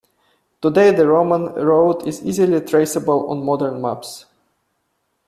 Today the Roman road is easily traceable on modern maps.